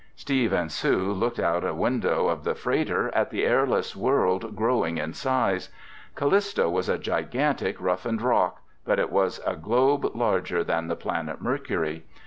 Steve and Sue looked out a window of the freighter at the airless world growing in size. Callisto was a gigantic roughened rock, but it was a globe larger than the planet Mercury.